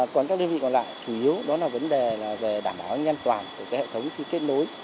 còn các đơn vị còn lại chủ yếu đó là vấn đề về đảm bảo an toàn của hệ thống khi kết nối